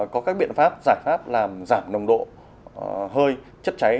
có các biện pháp giải pháp làm giảm nồng độ hơi chất cháy